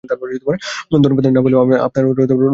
ধন্যবাদ না পেলেও আপনার অনুরোধ রক্ষা করেই তিনি কৃতার্থ।